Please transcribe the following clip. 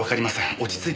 落ち着いて。